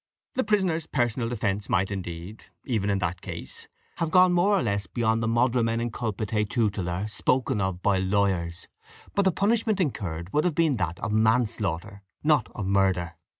The prisoner's personal defence might indeed, even in that case, have gone more or less beyond the moderamen inculpatae tutelar spoken of by lawyers, but the punishment incurred would have been that of manslaughter, not of murder.